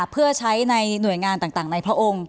เพื่อใช้ในหน่วยงานต่างในพระองค์